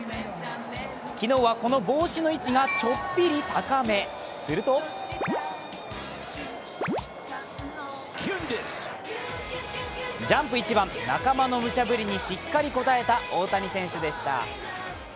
昨日は、この帽子の位置がちょっぴり高め、するとジャンプ一番、仲間のむちゃぶりにしっかり応えた大谷選手でした。